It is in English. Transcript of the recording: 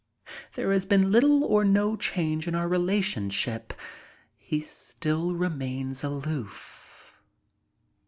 There has been little or no change in our relationship. He still remains aloof.